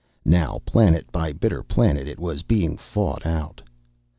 Now, planet by bitter planet, it was being fought out.